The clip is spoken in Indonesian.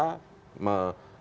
menihilkan semua permasalahan kita